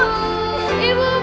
ibu bangun ibu